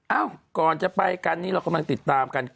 เอ้าก่อนจะไปกันนี้เรากำลังติดตามกัน